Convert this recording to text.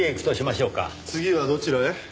次はどちらへ？